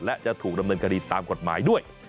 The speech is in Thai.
และจะถูกดำเนินคดีตามกฎหมายด้วย